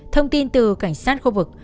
thông tin từ cảnh sát khu vực